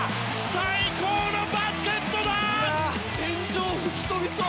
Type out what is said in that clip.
最高のバスケットだ！